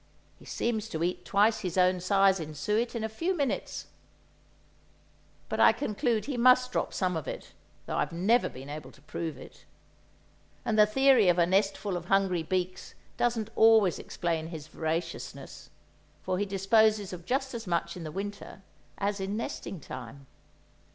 He seems to eat twice his own size in suet in a few minutes! But I conclude he must drop some of it, though I've never been able to prove it. And the theory of a nestful of hungry beaks doesn't always explain his voraciousness; for he disposes of just as much in the winter as in nesting time.